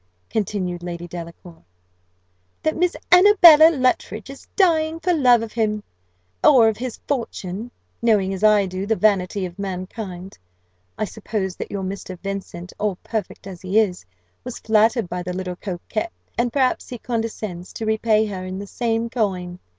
continued Lady Delacour: "that Miss Annabella Luttridge is dying for love of him or of his fortune. Knowing, as I do, the vanity of mankind, I suppose that your Mr. Vincent, all perfect as he is, was flattered by the little coquette; and perhaps he condescends to repay her in the same coin.